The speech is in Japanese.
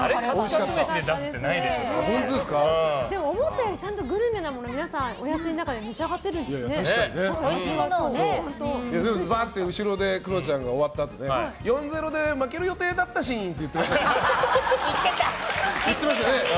思ったよりちゃんとグルメなものを皆さん、お安い中でばって後ろでクロちゃんが終わったあと４−０で負ける予定だったしんって言ってました。